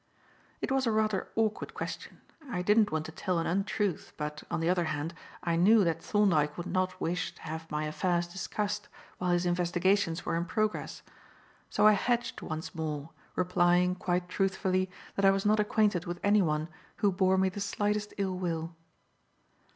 It was a rather awkward question, I didn't want to tell an untruth, but, on the other hand, I knew that Thorndyke would not wish to have my affairs discussed while his investigations were in progress; so I "hedged" once more, replying, quite truthfully, that I was not acquainted with anyone who bore me the slightest ill will.